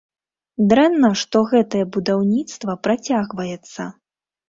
Дрэнна, што гэтае будаўніцтва працягваецца.